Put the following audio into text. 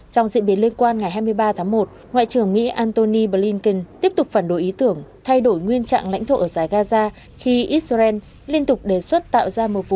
trong diễn biến liên quan ngày hai mươi ba tháng một ngoại trưởng mỹ antony blinken tiếp tục phản đối ý tưởng thay đổi nguyên trạng lãnh thổ ở giải gaza khi israel liên tục đề xuất tạo ra một vấn đề